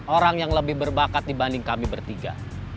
orang yang lebih berbakat dibanding kami bertiga